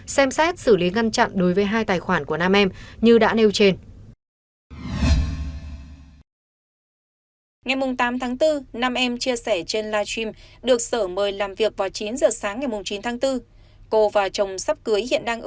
xem xét xử lý ngăn chặn đối với hai tài khoản của nam em như đã nêu trên